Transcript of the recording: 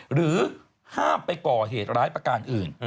หรือห้ามไปก่อเหตุร้ายประการอื่น